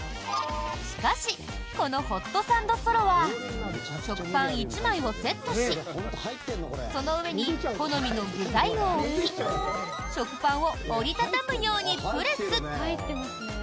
しかし、このホットサンドソロは食パン１枚をセットしその上に好みの具材を置き食パンを折り畳むようにプレス！